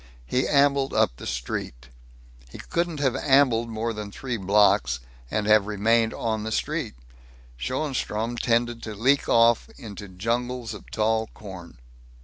He ambled up the street. He couldn't have ambled more than three blocks and have remained on the street. Schoenstrom tended to leak off into jungles of tall corn.